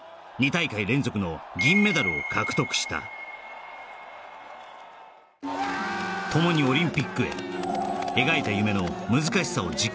２大会連続の銀メダルを獲得した共にオリンピックへ描いた夢の難しさを実感していた海祝